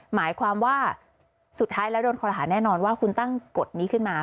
หมายความว่าสุดท้ายแล้วโดนคอรหาแน่นอนว่าคุณตั้งกฎนี้ขึ้นมา